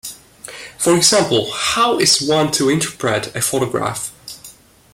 For example, how is one to interpret a photograph?